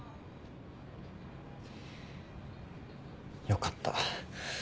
よかった。